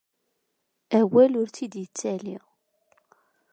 Awal ur tt-id-yettali.